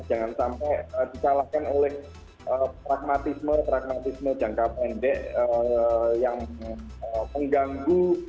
jangan sampai dikalahkan oleh pragmatisme pragmatisme jangka pendek yang mengganggu